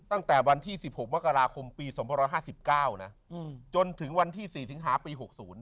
ตั้งแต่วันที่๑๖มกราคมปี๒๕๙จนถึงวันที่๔สิงหาปี๖๐